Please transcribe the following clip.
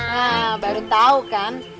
nah baru tau kan